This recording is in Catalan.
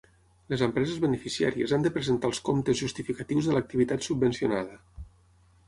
Les empreses beneficiàries han de presentar els comptes justificatius de l'activitat subvencionada.